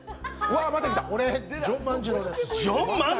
俺、ジョン万次郎です。